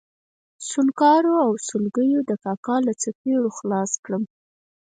سونګاري او سلګیو د کاکا له څپېړو خلاص کړم.